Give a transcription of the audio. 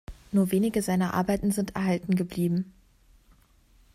Nur wenige seiner Arbeiten sind erhalten geblieben.